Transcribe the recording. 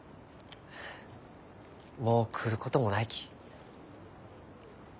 もう来ることもないき。